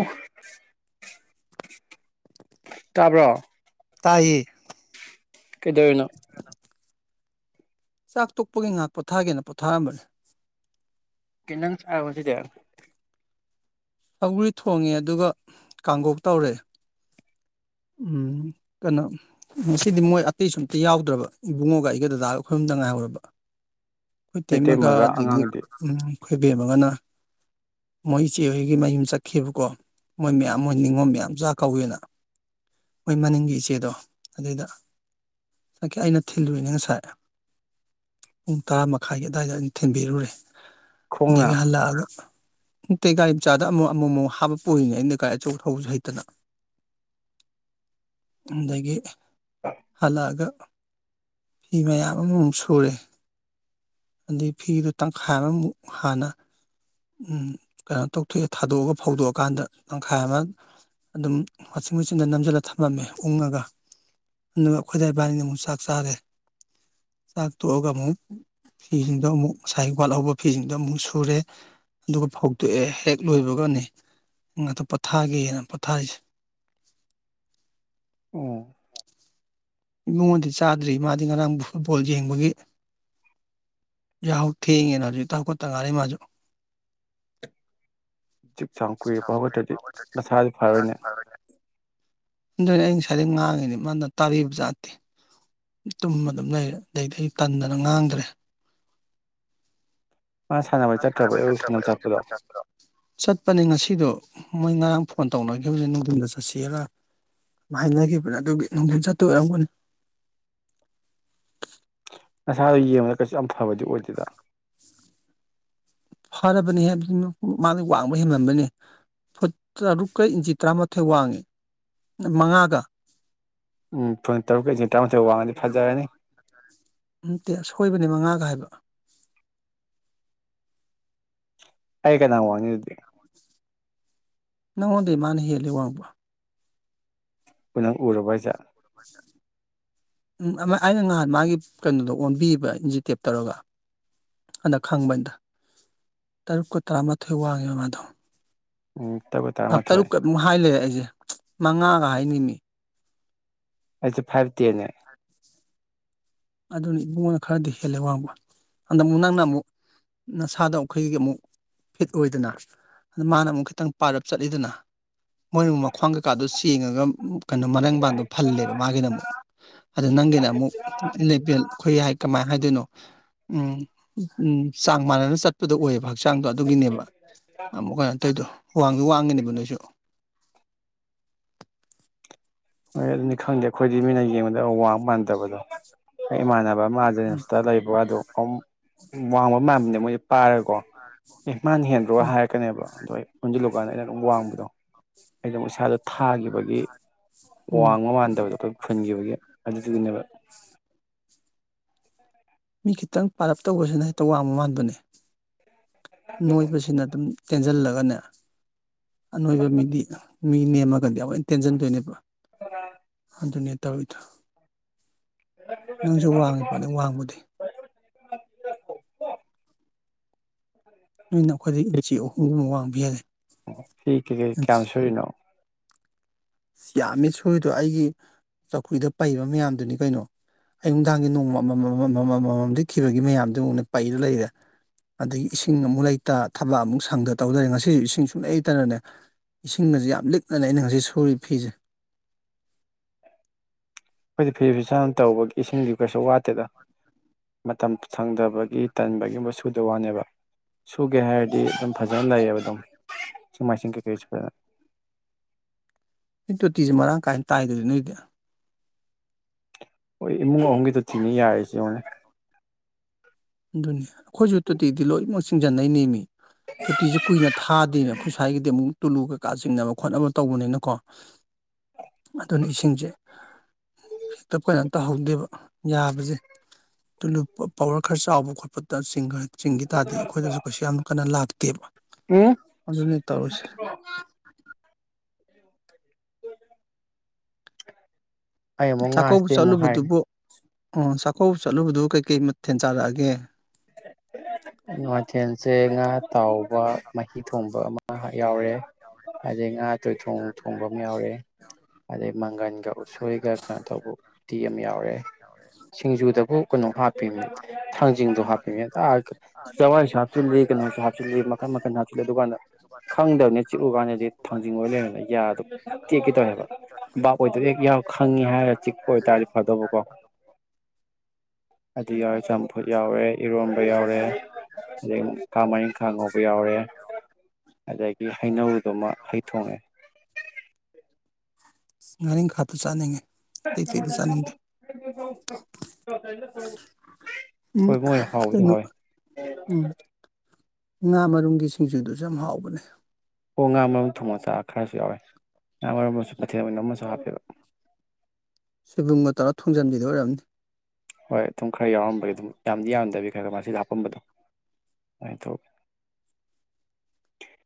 ꯑꯣ꯫ ꯇꯥꯕ꯭ꯔꯣ ꯇꯥꯏꯌꯦ ꯀꯩꯗꯧꯔꯤꯅꯣ ꯀꯩ ꯍꯥꯏꯅꯣ [unintelligible] ꯆꯥꯛ ꯇꯣꯛꯄꯒꯤ ꯉꯍꯥꯛ ꯄꯣꯊꯥꯒꯦꯅ ꯄꯣꯊꯥꯔꯝꯕꯅꯤ ꯀꯩꯖꯥꯡ ꯆꯔꯕꯣ ꯉꯁꯤꯗꯤ ꯁꯧꯒ꯭ꯔꯤ ꯊꯣꯡꯉꯦ ꯑꯗꯨꯒ ꯀꯥꯡꯒꯣꯛ ꯇꯧꯔꯦ ꯎꯝ ꯀꯩꯅꯣ ꯉꯁꯤꯗꯤ ꯃꯣꯏ ꯑꯇꯩ ꯁꯨꯝꯇ ꯌꯥꯎꯗ꯭ꯔꯕ ꯏꯕꯨꯡꯉꯒ ꯑꯩꯒ ꯗꯗꯥꯒ ꯈꯨꯣꯏ ꯑꯍꯨꯝꯗ ꯉꯥꯏꯍꯧꯔꯕ [unintelligible] ꯑꯩꯈꯣꯏ ꯇꯦꯛꯃꯒ ꯃꯩꯇꯩꯃꯒ ꯑꯗꯒꯤ ꯑꯉꯥꯡꯗꯤ ꯎ ꯈꯣꯏꯕꯦꯝ ꯑꯃꯒꯅ ꯃꯣꯏ ꯆꯦ ꯍꯣꯏꯒꯤ ꯃꯌꯨꯝ ꯆꯠꯈꯤꯕꯀꯣ ꯃꯣꯏ ꯃꯌꯥꯝ ꯍꯣꯏ ꯅꯤꯡꯉꯣ ꯃꯌꯥꯝ ꯆꯥꯛ ꯀꯧꯋꯦꯅ ꯃꯣꯏ ꯃꯅꯤꯡꯒꯤ ꯏꯆꯦꯗꯣ ꯑꯗꯨꯏꯗ ꯁꯗꯒꯤ ꯑꯩꯅ ꯊꯤꯜꯂꯨꯏꯅꯦ ꯉꯁꯥꯏ ꯄꯨꯡ ꯇꯔꯥ ꯃꯈꯥꯏꯒꯤ ꯑꯗꯨꯋꯥꯏꯗ ꯑꯩꯅ ꯊꯤꯟꯕꯤꯔꯨꯔꯦ ꯈꯣꯡꯅ ꯑꯗꯒꯤ ꯍꯜꯂꯛꯑꯒ ꯅꯇ [unintelligible] ꯒꯥꯔꯤ ꯃꯆꯥꯗ ꯑꯃꯨꯛ ꯑꯃꯨꯛ ꯑꯃꯨꯛ ꯍꯥꯞꯄ ꯄꯨꯔꯤꯅꯦ ꯑꯩꯅ ꯒꯥꯔꯤꯑꯆꯧꯕ ꯊꯧꯕꯁꯨ ꯍꯩꯇꯅ ꯑꯗꯒꯤ ꯍꯜꯂꯛꯑꯒ ꯐꯤ ꯃꯌꯥꯝ ꯑꯃꯃꯨꯛ ꯁꯨꯔꯦ ꯑꯗꯩꯒꯤ ꯐꯤꯗꯨ ꯇꯪꯈꯥꯏ ꯑꯃꯃꯨꯛ ꯍꯥꯟꯅ ꯎꯝ ꯀꯩꯅꯣ ꯇꯧꯊꯣꯛꯑꯦ ꯊꯥꯗꯣꯛꯑꯒ ꯐꯧꯗꯣꯛꯑꯀꯥꯟꯗ ꯇꯪꯈꯥꯏ ꯑꯃ ꯑꯗꯨꯝ ꯋꯥꯁꯤꯡ ꯃꯦꯆꯤꯟꯗ ꯅꯝꯁꯤꯜꯂ ꯊꯝꯃꯝꯃꯦ ꯎꯡꯉꯒ ꯑꯗꯨꯒ ꯑꯈꯣꯏꯗꯥ ꯏꯕꯥꯅꯤꯅ ꯑꯃꯨꯛ ꯆꯥꯛ ꯆꯥꯔꯦ ꯆꯥꯛ ꯇꯣꯛꯑꯒ ꯑꯃꯨꯛ ꯐꯤꯁꯤꯡꯗꯣ ꯑꯃꯨꯛ ꯉꯁꯥꯏꯒꯤ ꯋꯥꯠꯍꯧꯕ ꯐꯤꯁꯤꯡꯗꯣ ꯑꯃꯨꯛ ꯁꯨꯔꯦ ꯑꯗꯨꯒ ꯐꯧꯇꯣꯛꯑꯦ ꯍꯦꯛ ꯂꯣꯏꯕꯒꯅꯤ ꯉꯇꯥ ꯄꯣꯠꯊꯥꯒꯦꯅ ꯄꯣꯊꯥꯔꯤꯁꯦ ꯎꯝ ꯏꯕꯨꯡꯉꯣꯗꯤ ꯆꯥꯗ꯭ꯔꯤ ꯃꯥꯗꯤ ꯉꯔꯥꯡ ꯐꯨꯠꯕꯣꯜ ꯌꯦꯡꯕꯒꯤ ꯌꯥꯍꯧ ꯊꯦꯡꯉꯦꯅ ꯍꯧꯖꯤꯛꯇ ꯍꯧꯒꯠꯇ ꯉꯥꯏꯔꯤ ꯃꯥꯁꯨ ꯆꯛ ꯆꯥꯡ [unintelligible] ꯀꯨꯏꯔꯛꯄ ꯍꯧꯠꯇ꯭ꯔꯗꯤ ꯃꯁꯥꯗꯤ ꯐꯔꯣꯏꯅꯦ [unintelligible] ꯑꯗꯨꯅꯦ ꯑꯩ ꯉꯁꯥꯏꯗꯩ ꯉꯥꯡꯉꯤꯅꯤ ꯃꯥꯅ ꯇꯥꯕꯤꯕꯖꯥꯠꯅꯇꯦ ꯇꯨꯝꯃ ꯑꯗꯨꯝ ꯂꯩꯔꯦ ꯑꯗꯩꯗꯤ ꯇꯟꯗꯅ ꯉꯥꯡꯗ꯭ꯔꯦ ꯃꯥ ꯁꯥꯟꯅꯕ ꯆꯠꯇ꯭ꯔꯕꯣ ꯑꯌꯨꯛ ꯁꯥꯟꯅꯕ ꯆꯠꯄꯗꯣ ꯆꯠꯄꯅꯦ ꯉꯁꯤꯗꯣ ꯃꯣꯏ ꯉꯔꯥꯡ ꯐꯣꯟ ꯇꯧꯅꯈꯤꯕꯅ‌ꯦ ꯅꯨꯡꯊꯤꯟꯗ ꯆꯠꯁꯦꯅꯥ ꯍꯥꯏꯅꯈꯤꯕꯅꯦ ꯑꯗꯨꯒꯤ ꯅꯨꯡꯊꯤꯟ ꯆꯠꯇꯣꯏ ꯑꯣꯏꯔꯝꯒꯅꯤ ꯅꯁꯥꯗꯣ ꯌꯦꯡꯕꯗ ꯀꯩꯁꯨ ꯌꯥꯝ ꯐꯕꯗꯤ ꯑꯣꯏꯗꯦꯗ ꯐꯔꯕꯅꯤ ꯍꯦ ꯃꯥꯅ ꯋꯥꯡꯕ ꯍꯦꯃꯟꯕꯩꯅꯤ ꯐꯨꯠ ꯇꯔꯨꯛꯀ ꯏꯟꯆꯤ ꯇꯔꯥꯃꯥꯊꯣꯏ ꯋꯥꯡꯉꯤ ꯃꯉꯥꯒ ꯎꯝ ꯐꯨꯠ ꯇꯔꯨꯛꯀ ꯏꯟꯆꯤ ꯇꯔꯥꯃꯊꯣꯏ ꯋꯥꯡꯉꯗꯤ ꯐꯖꯔꯅꯤ ꯅꯠꯇꯦ ꯁꯣꯏꯕꯅꯦ ꯃꯉꯥꯒ ꯍꯥꯏꯕ ꯑꯩꯒ ꯀꯅꯥ ꯋꯥꯡꯅꯤ ꯑꯗꯨꯗꯤ ꯅꯪꯉꯣꯟꯗꯩ ꯃꯥꯅ ꯍꯦꯜꯂꯦ ꯋꯥꯡꯕ ꯅꯪ ꯎꯔꯥꯕꯣ ꯍꯥꯏꯁꯦ ꯑ [unintelligible] ꯎꯝ ꯑꯃ ꯑꯩꯅ ꯉꯥꯍꯥꯟ ꯃꯥꯒꯤ ꯀꯩꯅꯣꯗꯣ ꯑꯣꯟꯕꯤꯕ ꯏꯟꯖꯤꯇꯦꯞ ꯇꯧꯔꯒ ꯑꯗ ꯈꯪꯕꯅꯤꯗ ꯇꯔꯨꯛꯀ ꯇꯔꯥꯃꯥꯊꯣꯏ ꯋꯥꯡꯉꯦꯕ ꯃꯥꯗꯣ ꯎꯝ ꯇꯔꯨꯛ ꯑꯥ ꯇꯔꯨꯛꯀ ꯑꯗꯨꯝ ꯍꯥꯏ ꯂꯩꯔꯦ ꯑꯩꯁꯦ ꯃꯉꯥꯒ ꯍꯥꯏꯅꯤꯃꯤ ꯑꯩꯁꯨ ꯐꯥꯏꯚ ꯇꯦꯟꯅꯦ ꯑ [unintelligible] ꯑꯗꯨꯅꯤ ꯏꯕꯨꯡꯉꯅ ꯈꯔꯗꯤ ꯍꯦꯜꯂꯦ ꯋꯥꯡꯕ ꯑꯗ ꯑꯃꯨꯛ ꯅꯪꯅ ꯑꯃꯨꯛ ꯅꯁꯥꯗꫭ ꯑꯩꯈꫭꯏꯒꯤ ꯑꯃꯨꯛ ꯐꯤꯠ ꯑꯣꯏꯗꯅ ꯑꯗ ꯃꯥꯅ ꯑꯃꯨꯛ ꯈꯤꯇꯪ ꯄꯥꯔꯞ ꯆꯠꯂꯤꯗꯅ ꯃꯣꯏꯅ ꯃꯨꯛ ꯃꯈ꯭ꯋꯥꯡ ꯀꯩꯀꯥꯗꯣ ꯆꯦꯡꯉꯒ ꯀꯩꯅꯣ ꯃꯔ‌ꯦꯡꯕꯥꯥꯟꯗꯣ ꯐꯜꯂꯦꯕ ꯃꯥꯒꯤꯅ ꯑꯃꯨꯛ ꯑꯗꯨ ꯅꯪꯒꯤꯅ ꯑꯃꯨꯛ ꯂꯩꯕꯦꯜ [unintelligible] ꯑꯩꯈꯣꯏ ꯍꯥꯏ ꯀꯃꯥꯏꯅ ꯍꯥꯏꯗꯣꯏꯅꯣ ꯎꯝ ꯎꯝ ꯆꯥꯡ ꯃꯥꯟꯅꯥꯅ ꯆꯠꯄꯗꯣ ꯑꯣꯏꯌꯦꯕ ꯍꯛꯆꯥꯡꯗꯣ ꯑꯗꯨꯒꯤꯅꯦꯕ ꯑꯃꯨꯛ ꯀꯩꯅꯣ ꯇꯧꯗꯣ ꯋꯥꯡꯗꯤ ꯋꯥꯡꯉꯤꯅꯦꯕ ꯅꯣꯏꯁꯨ ꯍꯣꯏ ꯑꯗꯨꯅꯤ ꯈꯪꯗꯦ ꯑꯩꯈꯣꯏꯗꯤ ꯃꯤꯅ ꯌꯦꯡꯕꯗ ꯋꯥ ꯃꯥꯟꯗꯕꯗꯣ ꯑꯩ ꯏꯃꯥꯟꯅ ꯃꯥꯔꯖꯦꯟꯁꯇ [unintelligible] ꯂꯩꯕꯗꯣ ꯋꯥꯡꯕ ꯃꯅꯦ ꯃꯣꯏꯁꯦ ꯄꯥꯏꯔꯀꯣ [unintelligible] ꯑꯦ ꯃꯥꯅ ꯍꯦꯟꯗ꯭ꯔꯣ ꯎꯝ ꯍꯥꯏꯔꯛꯀꯅꯦꯕ ꯑꯗꯣ ꯑꯩ ꯑꯣꯟꯁꯤꯜꯂꯨꯀꯥꯟꯗ ꯑꯩꯅ ꯑꯗꯨꯝ ꯋꯥꯡꯕꯗꯣ ꯑꯩꯩꯅ ꯑꯃꯨꯛ ꯏꯁꯥꯗꯨ ꯊꯥꯈꯤꯕꯒꯤ ꯎꯝ ꯋꯥꯡꯕ ꯃꯥꯟꯗꯕꯗꯣ ꯑꯩꯈꯣꯏ ꯐꯨꯟꯈꯤꯕꯒꯤ ꯑꯗꯨꯗꯨꯒꯤꯅꯦꯕ ꯃꯤ ꯈꯤꯇꯪ ꯄꯥꯔꯞ ꯇꯧꯕꯁꯨꯅ‌ꯦ ꯍꯦꯛꯇ ꯋꯥꯡꯕ ꯃꯥꯟꯕꯅꯦ ꯅꯣꯏꯕꯁꯤꯅ ꯑꯗꯨꯝ ꯇꯦꯟꯁꯤꯜꯂꯒꯅꯦ ꯑꯅꯣꯏꯕ ꯃꯤꯗꯤ ꯃꯤ ꯅꯦꯝꯃꯒꯗꯤ ꯑꯃꯨꯛ ꯍꯦꯟꯅ ꯇꯦꯟꯁꯟꯗꯣꯏꯅꯦꯕ ꯑꯣ [unintelligible] ꯑꯗꯨꯅꯦ ꯇꯧꯔꯤ ꯊ ꯅꯪꯁꯨ ꯋꯥꯡꯉꯤ ꯄꯣꯠꯅꯤ ꯋꯥꯡꯕꯨꯗꯤ ꯅꯣꯏꯅ ꯑꯈꯣꯏꯗꯩ ꯏꯟꯆꯤ ꯑꯍꯨꯝꯒꯨꯝꯕ ꯋꯥꯡꯕ ꯍꯦꯜꯂꯤ ꯐꯤ ꯀꯩꯀꯩ ꯀꯌꯥꯝ ꯁꯨꯔꯤꯅꯣ ꯏꯁ ꯌꯥꯝꯃꯤ ꯁꯨꯔꯤꯗꯣ ꯑꯩꯒꯤ ꯆꯧꯀ꯭ꯔꯤꯗ ꯄꯩꯕ ꯃꯌꯥꯝꯗꯨꯅꯤ ꯀꯩꯅꯣ ꯑꯌꯨꯛꯅꯨꯡꯗꯥꯡꯒꯤ ꯅꯣꯡꯃ ꯑꯃꯃꯝ ꯑꯃꯝ ꯑꯃꯃꯝ ꯑꯃꯃꯝ ꯂꯤꯠꯈꯤꯕꯒꯤ ꯃꯌꯥꯝꯗꯨ ꯌꯦꯡꯉꯨꯅꯦ ꯄꯩꯔ ꯂꯩꯔꯦ ꯑꯗꯒꯤ ꯏꯁꯤꯡ ꯑꯃꯨꯛ ꯂꯩꯇ ꯊꯕꯛ ꯑꯃꯨꯛ ꯁꯪꯗ ꯇꯧ ꯂꯩꯔꯦ ꯉꯁꯤꯁꯨ ꯏꯁꯤꯡ ꯁꯨꯡꯂꯩ ꯂꯩꯇꯅꯅꯦ ꯏꯁꯤꯡꯒꯖꯦ ꯌꯥꯝ ꯂꯤꯛꯅꯅꯦ ꯑꯩꯅ ꯉꯁꯤ ꯁꯨꯔꯤ ꯐꯤꯖꯦ ꯑꯩꯈꯣꯏꯗꯤ ꯐꯤꯁꯨ ꯐꯤꯖꯥꯝ ꯇꯧꯕꯒꯤ ꯏꯁꯤꯡꯗꯤ ꯀꯩꯁꯨ ꯋꯥꯠꯇꯦꯗ ꯃꯇꯝ ꯁꯪꯗꯕꯒꯤ ꯇꯟꯕꯒꯤꯒꯨꯝꯕ ꯁꯨꯗ ꯋꯥꯅꯦꯕ ꯁꯨꯒꯦ ꯍꯥꯏꯔꯗꯤ ꯑꯗꯨꯝ ꯐꯖꯅ ꯂꯩꯌꯦꯕ ꯑꯗꯨꯝ ꯏꯁꯤꯡ ꯃꯥꯏꯁꯤꯡ ꯀꯩꯀꯩꯁꯨ ꯐꯖꯅ ꯇꯣꯇꯤꯖꯤ ꯃꯔꯥꯡ ꯀꯥꯏꯅ ꯇꯥꯏꯗꯅ ꯅꯣꯏꯗꯤ ꯍꯣꯏ ꯏꯃꯨꯡ ꯑꯍꯨꯝꯒꯤ ꯇꯣꯇꯤꯅꯤ ꯌꯥꯔꯤꯁꯤ ꯌꯦꯡꯉꯨꯅꯦ ꯑꯗꯨꯅꯤ ꯑꯩꯈꯣꯏꯁꯨ ꯇꯣꯇꯤꯗꯤ ꯂꯣꯏꯅꯃꯛ ꯆꯤꯡꯖꯟꯅꯩꯅꯦꯃꯤ ꯇꯣꯇꯤꯖꯦ ꯀꯨꯏꯅ ꯊꯥꯗꯦꯃꯦ ꯑꯈꯣꯏ ꯁ꯭ꯋꯥꯏꯒꯤꯗꯤ ꯑꯃꯨꯛ ꯇꯨꯂꯨ ꯀꯩꯀꯥ ꯆꯤꯡꯅꯕ ꯈꯣꯠꯅꯕ ꯇꯧꯕꯅꯤꯅꯀꯣ ꯑꯗꯨꯅ ꯏꯁꯤꯡꯁꯦ ꯍꯦꯛꯇ ꯀꯩꯅꯣ ꯇꯧꯍꯧꯗꯦꯕ ꯌꯥꯕꯖꯦ ꯇꯨꯂꯨ ꯄ ꯄꯋꯔ ꯈꯔ ꯆꯥꯎꯕ ꯈꯣꯠꯄꯗ ꯆꯤꯡꯒ ꯆꯤꯡꯒꯤ ꯇꯥꯔꯗꯤ ꯑꯈꯣꯏꯗꯁꯨ ꯀꯩꯁꯨ ꯌꯥꯝ ꯀꯟꯅ ꯂꯥꯛꯇꯦꯕ ꯎꯝ ꯑꯗꯨꯅꯤ ꯇꯧꯔꯤꯁꯦ [unintelligible] ꯑꯩ ꯑꯃꯨꯛ ꯆꯥꯛꯀꯧꯕ ꯉꯥꯁꯦ ꯑꯃꯨꯛ ꯆꯠꯂꯨꯕꯗꯨꯕꯨ ꯍꯥꯏꯔꯅꯤ ꯑꯣ ꯆꯥꯛꯀꯧꯕ ꯆꯠꯂꯨꯕꯗꯨ ꯀꯩꯀꯩ ꯃꯊꯦꯟ ꯆꯥꯔꯛꯑꯒꯦ [unintelligible] ꯃꯊꯦꯜꯁꯦ ꯉꯥ ꯇꯥꯎꯕ ꯃꯍꯤ ꯊꯣꯡꯕ ꯑꯃ ꯌꯥꯎꯔꯦ ꯑꯗꯩ ꯉꯥ ꯇꯣꯏꯊꯣꯡ ꯊꯣꯡꯕ ꯑꯃ ꯌꯥꯎꯔꯦ ꯑꯗꯩ ꯃꯪꯒꯟꯒ ꯎꯁꯣꯏꯒ ꯀꯩꯅꯣ ꯇꯧꯕ ꯎꯇꯤ ꯑ ꯌꯥꯎꯔꯦ ꯁꯤꯡꯖꯨꯗꯕꯨ ꯀꯩꯅꯣ ꯍꯥꯞꯄꯤꯃꯤ ꯊꯥꯡꯖꯤꯡꯗꯣ ꯍꯥꯞ ꯍꯦꯛꯇ ꯍꯥꯞ ꯆꯋꯥꯏꯁꯨ ꯍꯥꯞꯆꯤꯜꯂꯤ ꯀꯩꯅꯣꯁꯨ ꯍꯥꯞꯖꯤꯜꯂꯤ ꯃꯈꯜ ꯃꯈꯜ ꯑꯗꯨꯀꯥꯟꯗ ꯈꯪꯗꯕꯅꯤ ꯆꯤꯛꯎꯀꯥꯟꯗꯗꯤ ꯊꯥꯡꯖꯤꯡ ꯑꯣꯏ ꯂꯩꯔꯝꯃꯦ ꯌꯥꯗꯣ ꯇꯦꯛꯀꯦ ꯇꯧꯌꯦ ꯍꯥꯏꯕ ꯕꯥꯞ ꯑꯣꯏꯗꯕꯍꯦꯛ ꯌꯥꯎ ꯈꯪꯉꯤ ꯍꯥꯏꯔ ꯆꯤꯛꯄ ꯑꯣꯏꯇꯥꯔꯗꯤ ꯐꯗꯧꯕꯀꯣ ꯑꯗꯨ ꯌꯥꯎꯔꯦ ꯆꯝꯐꯨꯠ ꯌꯥꯎꯔꯦ ꯏꯔꯣꯝꯕ ꯌꯥꯎꯔꯦ ꯑꯗꯩꯃꯨꯛ [unintelligible] ꯃꯔꯤꯜ ꯈꯥ ꯉꯧꯕ ꯌꯥꯎꯔꯦ ꯑꯗꯒꯤ ꯍꯩꯅꯧꯗꯨꯃ ꯍꯩ ꯊꯣꯡꯉꯦ ꯉꯔꯤꯟ ꯈꯥꯗꯨ ꯆꯥꯅꯤꯡꯉꯦ ꯑꯇꯩ ꯑꯇꯩꯗꯤ ꯆꯥꯅꯤꯡꯗꯦ [unintelligible] ꯎꯝ ꯍꯣꯏ ꯃꯣꯏ ꯍꯥꯎꯕꯨꯗꯤ ꯀꯩꯅꯣ ꯍꯥꯎꯋꯦ ꯎꯝ ꯉꯥ ꯃꯔꯨꯝꯒꯤ ꯁꯤꯡꯖꯨꯗꯨꯁꯨ ꯌꯥꯝ ꯍꯥꯎꯕꯅꯦ ꯑꯣ ꯉꯥ ꯃꯔꯨꯝ ꯊꯣꯡꯃꯆꯥ ꯈꯔꯁꯨ ꯌꯥꯎꯋꯦ ꯉꯥ ꯃꯔꯨꯝꯕꯨꯁꯨ ꯃꯊꯦꯜ ꯑꯣꯏꯅ ꯑꯃꯁꯨ ꯍꯥꯞꯄꯦꯕ ꯁꯣꯏꯕꯨꯝꯒ ꯇꯧꯔ ꯊꯣꯡꯖꯟꯕꯤꯗꯨ ꯑꯣꯏꯔꯝꯅꯤ ꯍꯣꯏ ꯑꯗꯨꯝ ꯈꯔ ꯌꯥꯎꯔꯝꯕꯩ ꯑꯗꯨꯝ ꯌꯥꯝꯗꯤ ꯌꯥꯝꯗꯕꯤ ꯈꯔ ꯈꯔ ꯃꯆꯤꯗ ꯍꯥꯞꯄꯝꯕꯗꯣ [unintelligible] ꯇꯧ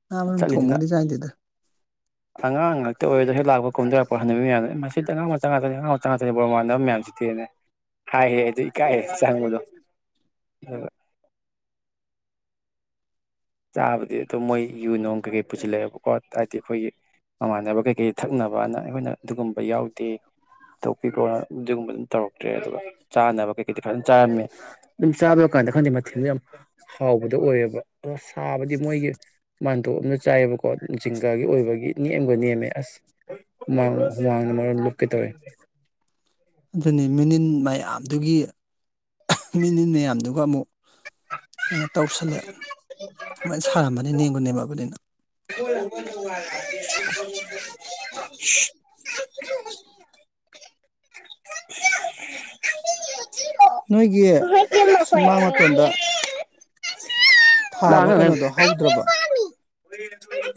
ꯉꯥ ꯃꯔꯨꯝ ꯊꯣꯡꯕꯒꯗꯤ ꯆꯥꯅꯤꯡꯗꯦꯗ ꯑꯉꯥꯡ ꯉꯥꯛꯇ ꯑꯣꯏꯔꯦꯗꯣ ꯍꯦꯛ ꯂꯥꯛꯄ ꯀꯨꯝꯊꯔꯛꯄ ꯍꯟꯅꯨꯕꯤ ꯃꯌꯥꯝꯅ ꯏ ꯃꯁꯤꯗꯤ ꯑꯉꯥꯡ ꯃꯆꯥ ꯉꯥꯛꯇꯅꯤ ꯑꯉꯥꯡ ꯃꯆꯥ ꯉꯥꯛꯇꯅꯤ ꯕꯣꯔ ꯃꯃꯥꯟꯅꯕ ꯃꯌꯥꯝꯁꯤꯗꯤꯅꯦ ꯍꯥꯏꯌꯦ ꯑꯗꯨ ꯏꯀꯥꯏ ꯆꯪꯕꯗꯨ ꯑꯗꯨꯒ ꯆꯥꯕꯗꯤ ꯑꯗꯨꯝ ꯃꯣꯏ ꯌꯨ ꯅꯣꯡ ꯀꯩꯀꯩ ꯄꯨꯁꯤꯜꯂꯛꯑꯦꯕꯣ ꯄꯣꯠ ꯍꯥꯏꯗꯤ ꯑꯩꯈꯣꯏꯒꯤ ꯃꯃꯥꯟꯅꯕ ꯀꯩꯀꯩ ꯊꯛꯅꯕꯥꯅ ꯑꯩꯈꯣꯏꯅ ꯑꯗꯨꯒꯨꯝꯕ ꯌꯥꯎꯗꯦ ꯊꯣꯛꯄꯤꯈ꯭ꯔꯣꯅ ꯑꯗꯨꯒꯨꯝꯕ ꯑꯗꯨꯝ ꯇꯧꯔꯛꯇ꯭ꯔꯦ ꯑꯗꯨꯒ ꯆꯥꯅꯕ ꯀꯩꯀꯩꯗꯤ ꯐꯖꯅ ꯆꯥꯔꯝꯃꯦ ꯑꯗꯨꯝ ꯆꯥꯕ ꯀꯥꯟꯗ ꯈꯪꯗꯦ ꯃꯊꯦꯜꯗꯨ ꯌꯥꯝ ꯍꯥꯎꯕꯗꯣ ꯑꯣꯏꯌꯦꯕ ꯑꯗꯣ ꯁꯥꯕꯗꯤ ꯃꯣꯏꯒꯤ ꯃꯥꯟꯇꯣꯛ ꯑꯃꯗ ꯆꯥꯏꯌꯦꯕꯀꯣ ꯖꯤꯡꯒꯥꯒꯤ ꯑꯣꯏꯕꯒꯤ ꯅꯦꯝꯒ ꯅꯦꯝꯃꯦ ꯑꯁ ꯍꯨꯃꯥꯡ ꯍꯨꯃꯥꯡꯅ ꯃꯔꯣꯟ ꯂꯨꯞꯀꯦ ꯇꯧꯋꯦ ꯑꯗꯨꯅꯤ ꯃꯅꯤꯟ ꯃꯌꯥꯝꯗꯨꯒꯤ [unintelligible] ꯃꯤꯅꯤꯟ ꯃꯌꯥꯝꯗꯨꯒ ꯑꯃꯨꯛ ꯀꯩꯅꯣ ꯇꯧꯁꯜꯂꯦ ꯑꯃꯨꯛꯍꯦꯟ ꯁꯥꯔꯝꯃꯅꯤ ꯅꯦꯝꯒ ꯅꯦꯝꯃꯛꯑꯕꯅꯤꯅ [unintelligible] ꯅꯣꯏꯒꯤ ꯁꯨꯃꯥꯡ ꯃꯇꯣꯟꯗ ꯊꯥꯕ ꯀꯩꯅꯣꯗꯣ ꯍꯧꯗ꯭ꯔꯕ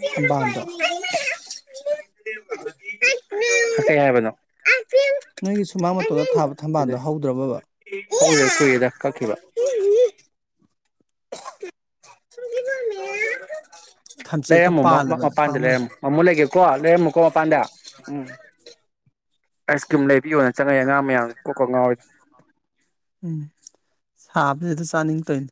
ꯊꯝꯕꯥꯜꯗꯣ [unintelligible] ꯀꯩ ꯍꯥꯏꯕꯅꯣ ꯅꯣꯏꯒꯤ ꯁꯨꯃꯥꯡ ꯃꯇꯣꯗ ꯊꯥꯕ ꯊꯝꯕꯥꯜꯗꯣ ꯍꯧꯗ꯭ꯔꯕꯕ ꯍꯧꯗꯦ ꯀꯨꯏꯔꯦꯗ ꯀꯥꯛꯈꯤꯕ ꯊꯝꯆꯦꯠꯀ ꯂꯩꯔꯝꯃꯨ ꯄꯥꯜꯂꯕꯅꯦ ꯃꯄꯥꯟꯗ ꯄꯥꯝꯃꯨꯏꯅꯦ ꯂꯩꯔꯝꯃꯨ ꯃꯃꯣ ꯂꯩꯒꯦꯀꯣ ꯂꯩꯔꯝꯃꯨꯀꯣ ꯃꯄꯥꯟꯗ ꯎꯝ ꯑꯥꯏꯁ ꯀ꯭ꯔꯤꯝ ꯂꯩꯕꯤꯌꯣꯅꯦ ꯆꯪꯉꯛꯌꯦ ꯑꯉꯥꯡ ꯃꯌꯥꯝ ꯀꯣꯛꯀꯥ ꯉꯥꯎꯔꯤ ꯎꯝ ꯁꯥꯕꯁꯤꯗ ꯆꯥꯅꯤꯡ ꯇꯧꯅꯤ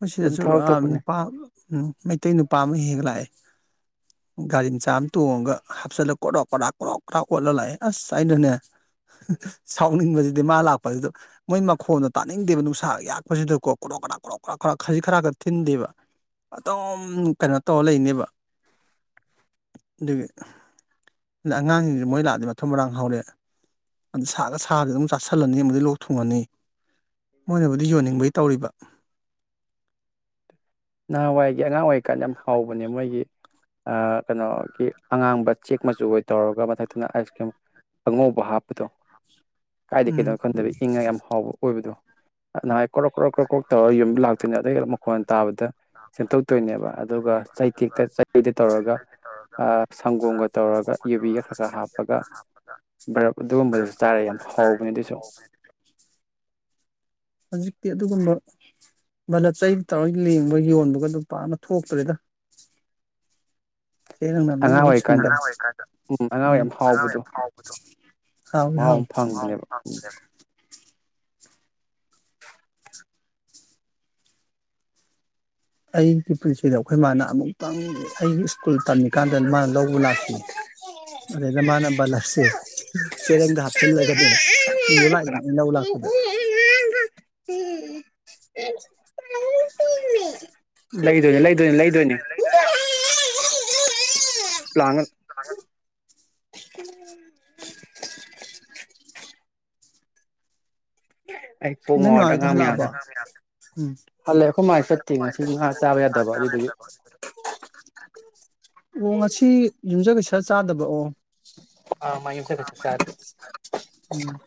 ꯑꯩꯈꯣꯏ ꯑꯗꯨꯝ ꯁꯤꯗꯁꯨ ꯊꯧꯔꯛꯇꯧꯕꯅꯦ ꯅꯨꯄꯥ ꯃꯩꯇꯩ ꯅꯨꯄꯥ ꯑꯃ ꯍꯦꯛ ꯍꯦꯛ ꯂꯥꯛꯑꯦ [inaudible] ꯒꯥꯔꯤ ꯃꯆꯥ ꯑꯃ ꯇꯣꯡꯉꯒ ꯍꯥꯞꯆꯜꯂ ꯀꯣꯔꯣꯛ ꯀꯔꯥꯛ ꯀꯣꯔꯣꯛ ꯀꯔꯥꯛ ꯑꯣꯠꯂ ꯂꯥꯛꯑꯦ ꯑꯁ ꯑꯩꯅꯅꯦ ꯁꯥꯎꯅꯤꯡꯕꯁꯤꯗꯤ ꯃꯥ ꯂꯥꯛꯄ ꯑꯗꯨꯗꯣ ꯃꯣꯏ ꯃꯈꯣꯟꯗ ꯇꯥꯅꯤꯡꯗꯦꯕ ꯅꯨꯡꯁꯥ ꯌꯥꯛꯄꯁꯤꯗꯀꯣ ꯀꯣꯔꯣꯛ ꯀꯔꯥ ꯀꯣꯛ ꯈꯨꯔꯥꯛ ꯈꯨꯔꯥꯛ ꯈꯖꯤ ꯈꯔꯥꯛꯀꯥ ꯊꯤꯟꯗꯦꯕ ꯑꯗꯨꯝ ꯀꯩꯅꯣ ꯇꯧꯔ ꯂꯩꯅꯦꯕ ꯑꯗꯨꯒꯤ ꯑꯉꯥꯡꯁꯤꯡꯁꯦ ꯃꯣꯏ ꯂꯥꯛꯑꯗꯤ ꯃꯊꯨꯝ ꯃꯔꯥꯡ ꯍꯧꯔꯛꯑꯦ ꯑꯗ ꯁꯥꯔꯒ ꯁꯥꯔꯗꯤ ꯑꯗꯨꯝ ꯆꯥꯥꯁꯜꯂꯅꯤ ꯑꯃꯗꯤ ꯂꯣꯛ ꯊꯨꯡꯉꯅꯤ ꯃꯣꯏꯅꯕꯨꯗꯤ ꯌꯣꯟꯅꯤꯡꯕꯩ ꯇꯧꯔꯤꯕ ꯅꯍꯥꯟꯋꯥꯏꯒꯤ ꯑꯉꯥꯡ ꯑꯣꯏꯔꯤꯀꯥꯟ ꯌꯥꯝ ꯍꯥꯎꯕꯅꯦ ꯃꯣꯏꯒꯤ ꯑꯥ ꯀꯩꯅꯣꯒꯤ ꯑꯉꯥꯡꯕ ꯆꯦꯛ ꯃꯆꯨ ꯑꯣꯏ ꯇꯧꯔꯒ ꯃꯊꯛꯇꯅ ꯑꯥꯏꯁ ꯀ꯭ꯔꯤꯝ ꯑꯉꯧꯕ ꯍꯥꯞꯄꯗꯣ ꯀꯥꯏꯗ ꯎꯝ ꯀꯩꯗꯅꯣ ꯈꯟꯗꯕ ꯏꯪꯉꯥꯏ ꯌꯥꯝ ꯍꯥꯎꯕ ꯑꯣꯏꯕꯗꯣ ꯅꯍꯥꯏ ꯀ꯭ꯔꯣꯛ ꯀ꯭ꯔꯣꯛ ꯀ꯭ꯔꯣꯛ ꯀ꯭ꯔꯣꯛ ꯇꯧꯔꯒ ꯌꯨꯝ ꯂꯥꯛꯇꯣꯏꯅꯤ ꯑꯗꯩꯩ ꯃꯈꯣꯟ ꯇꯥꯕꯗ ꯁꯦꯝꯗꯣꯛꯇꯣꯏꯅꯦꯕ ꯑꯗꯨꯒ ꯇꯣꯏꯅꯦꯕ ꯑꯗꯨꯒ ꯇꯧꯔꯒ [unintelligible] ꯑꯥ ꯁꯪꯒꯣꯝꯒ ꯇꯧꯔꯒ ꯌꯨꯕꯤꯒ ꯈꯔ ꯈꯔ ꯍꯥꯞꯄꯒ ꯕ꯭ꯔꯞ ꯑꯗꯨꯒꯨꯝꯕꯗꯨꯁꯨ [inaudible] ꯆꯥꯔ ꯌꯥꯝ ꯍꯥꯎꯕꯅꯦ ꯑꯗꯨꯁꯨ ꯍꯧꯖꯤꯛꯇꯤ ꯑꯗꯨꯒꯨꯝꯕ ꯚꯂꯞ ꯆꯩ ꯇꯧꯔꯥ ꯂꯦꯡꯕ ꯌꯣꯟꯕꯒ ꯑꯗꯨꯝ ꯄꯥꯛꯅ ꯊꯣꯛꯇ꯭ꯔꯦꯗ ꯍ ꯅꯪꯅꯅꯕꯩ ꯑꯉꯥꯡ ꯃꯍꯨꯠ ꯁꯥꯡ ꯑꯣꯏꯔꯤꯀꯥꯟꯗ ꯎꯝ ꯑꯅꯥꯎ ꯌꯥꯝ ꯍꯥꯎꯕꯗꯣ ꯎꯥꯡꯥꯎꯕꯗꯣ [unintelligible] ꯍꯥꯎ ꯃꯍꯥꯎ ꯍꯥꯎ ꯑꯃ ꯐꯪꯕꯅꯦꯕ ꯎꯝ [unintelligible] ꯑꯩꯒꯤ ꯄꯨꯟꯁꯤꯗ ꯑꯩꯈꯣꯏ ꯃꯥꯅ ꯑꯃꯨꯛꯇꯪ ꯑꯩꯒꯤ ꯁ꯭ꯀꯨꯜ ꯇꯝꯃꯤꯀꯥꯟꯗ ꯃꯥꯅ ꯂꯧꯕ ꯂꯥꯛꯈꯤ ꯑꯗꯨꯗ ꯃꯥꯅ ꯕꯥꯂꯞꯁꯦ ꯆꯦꯔꯪꯗ ꯍꯥꯞꯆꯤꯜꯂꯒꯅꯦ ꯄꯨꯔꯥ ꯂꯥꯛꯏꯅꯤ ꯂꯧ ꯂꯥꯛꯄꯗ ꯂꯩꯗꯣꯏꯅꯦ ꯂꯩꯗꯣꯏꯅꯤ ꯂꯩꯗꯣꯏꯅꯦ ꯂꯥꯡꯒꯅꯨ [unintelligible] ꯎ [inaudible] [inaudible] ꯎ [inaudible] ꯅꯣꯏ ꯃꯥ ꯍꯣꯏꯗꯨ ꯍꯜꯂꯥꯛꯑꯕꯣ ꯎꯝ ꯍꯜꯂꯦ ꯑꯩꯈꯣꯏ ꯃꯥ ꯆꯠꯇꯦ ꯉꯁꯤ ꯉꯥ ꯆꯥꯕ ꯌꯥꯗꯕ ꯑꯗꯨꯗꯨꯒꯤ [unintelligible] ꯑꯣ ꯉꯁꯤ ꯌꯨꯝꯖ ꯀꯩꯁꯥ ꯆꯥꯗꯕ ꯑꯣ ꯑ ꯃꯥ ꯌꯨꯝꯁꯥ ꯀꯩꯁꯥ ꯆꯥꯗꯦ ꯎꯝ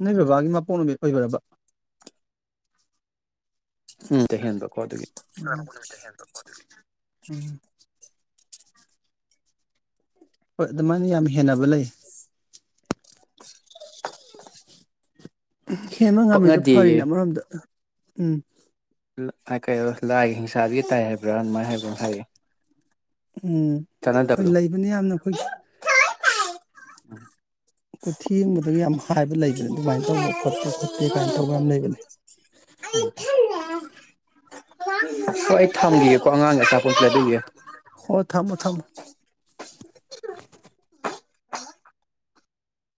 ꯅꯣꯏ ꯕꯕꯥꯒꯤ ꯃꯄꯣꯛ ꯅꯨꯃꯤꯠ ꯑꯣꯏꯕꯔ꯭ꯕꯥ ꯎꯝ ꯍꯦꯟꯕꯀꯣ ꯑꯗꯨꯒꯤ ꯎꯝ [unintelligible] ꯍꯣꯏ ꯑꯗꯨꯃꯥꯏꯅ ꯌꯥꯝ ꯍꯦꯟꯅꯕ ꯂꯩ ꯍꯦꯟꯕ ꯉꯝꯃꯤꯗꯣ ꯄꯛꯅꯗꯦꯌꯦ ꯐꯔꯤꯅ ꯑꯃꯥ ꯔꯣꯝꯗꯥ ꯎꯝ ꯀ ꯂꯥꯏꯒꯤ ꯍꯤꯡꯁꯥꯗꯨꯒꯤ ꯇꯥꯏ ꯍꯥꯏꯕ꯭ꯔꯥ ꯑꯗꯨꯃꯥꯏꯅ ꯍꯥꯏꯕ꯭ꯔꯥ ꯍꯥꯏꯌꯦꯦ [unintelligible] ꯎꯝ ꯍꯣꯏ ꯂꯩꯕꯅꯦ ꯌꯥꯝꯅ ꯑꯩꯈꯣꯏꯒꯤ ꯎꯝ ꯊꯦꯡꯕꯗꯨꯗꯒꯤ ꯌꯥꯝ ꯍꯥꯏꯕ ꯂꯩꯕꯅꯤ ꯑꯗꯨꯃꯥꯏꯅ ꯇꯧꯕ ꯐꯠꯇꯦ ꯈꯣꯠꯇꯦ ꯀꯥꯏꯅ ꯇꯧꯕ ꯌꯥꯝ ꯂꯩꯕꯅꯦ ꯁꯋꯥꯏ ꯊꯥꯕꯤ [unintelligible] [inaudible] ꯑꯉꯥꯡꯒꯤ ꯑꯆꯥꯄꯣꯠ ꯂꯩ [unintelligible] ꯑꯣ ꯊꯝꯃꯣ ꯊꯝꯃꯣ